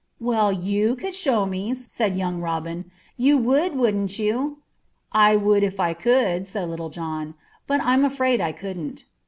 "Well, you could show me," said young Robin. "You would, wouldn't you?" "I would if I could," said Little John; "but I'm afraid I couldn't."